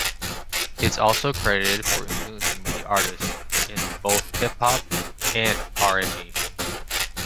It's also credited for influencing many artists in both hip-hop and R and B.